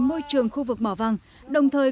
môi trường khu vực mỏ vàng đồng thời